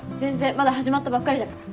まだ始まったばっかりだから。